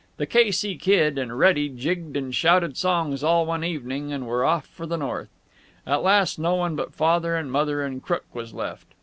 The K. C. Kid and Reddy jigged and shouted songs all one evening, and were off for the north. At last no one but Father and Mother and Crook was left.